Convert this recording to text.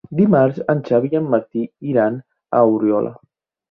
Dimarts en Xavi i en Martí iran a Oriola.